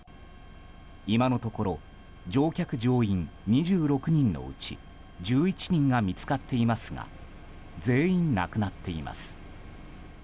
今のところ乗客・乗員２６人のうち１１人が見つかっていますが全員亡くなっています。